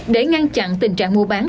để ngăn chặn tình trạng mua bán